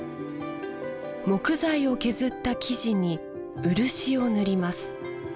木材を削った木地に漆を塗ります。